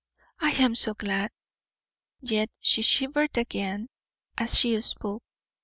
I am so glad," yet she shivered again as she spoke.